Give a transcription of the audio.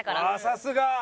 さすが！